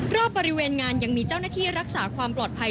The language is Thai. รอบบริเวณงานยังมีเจ้าหน้าที่รักษาความปลอดภัย